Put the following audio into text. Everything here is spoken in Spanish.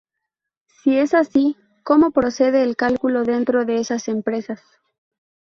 Si es así, ¿cómo procede el cálculo dentro de esas empresas?